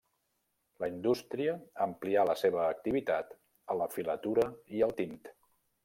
La indústria amplià la seva activitat a la filatura i al tint.